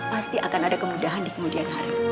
pasti akan ada kemudahan di kemudian hari